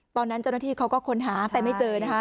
ตอนนั้นเจ้าหน้าที่เขาก็ค้นหาแต่ไม่เจอนะคะ